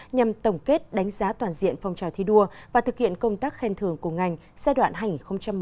nhằm tổng kết đánh giá toàn diện phong trào thi đua và thực hiện công tác khen thưởng của ngành giai đoạn hai nghìn một mươi năm hai nghìn hai mươi